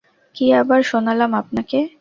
কী আবার শোনালাম আপনাকে?